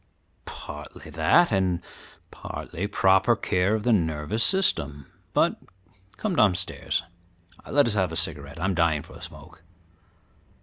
"Partly that, and partly proper care of the nervous system; but come downstairs, and let us have a cigarette; I am dying for a smoke."